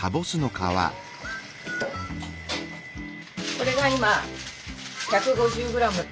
これは今１５０ｇ。